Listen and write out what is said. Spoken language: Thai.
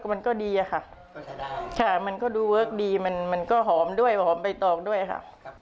มันก็ดีอะค่ะมันก็ดูเวิร์คดีมันก็หอมด้วยหอมใบตอกด้วยค่ะ